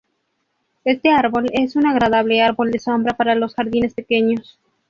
Este árbol es un agradable árbol de sombra para los jardines pequeños.